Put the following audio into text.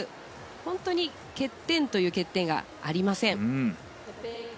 本当に欠点という欠点がありません。